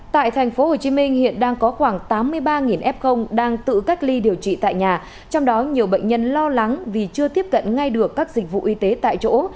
tại thành phố hồ chí minh hiện đang có khoảng tám mươi ba f đang tự cách ly điều trị tại nhà trong đó nhiều bệnh nhân lo lắng vì chưa tiếp cận ngay được các dịch vụ y tế tại chỗ